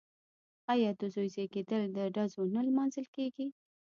آیا د زوی زیږیدل په ډزو نه لمانځل کیږي؟